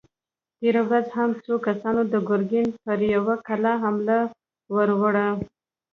تېره ورځ هم څو کسانو د ګرګين پر يوه کلا حمله ور وړه!